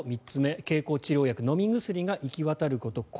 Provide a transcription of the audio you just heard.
３つ目、経口治療薬飲み薬が行き渡ること。